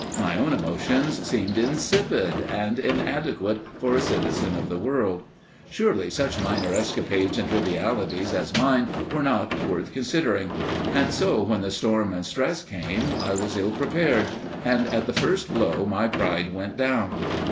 My own emotions seemed insipid and inadequate for a citizen of the world. Surely such minor escapades and trivialities as mine were not worth considering. And so, when the storm and stress came, I was ill prepared, and at the first blow my pride went down.